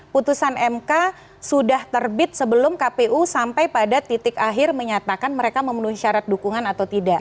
putusan mk sudah terbit sebelum kpu sampai pada titik akhir menyatakan mereka memenuhi syarat dukungan atau tidak